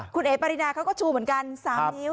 คุณเอ๋ปรินาเขาก็ชูเหมือนกัน๓นิ้ว